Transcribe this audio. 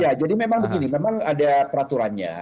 ya jadi memang begini memang ada peraturannya